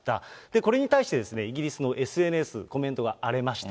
これに対して、イギリスのＳＮＳ、コメントが荒れました。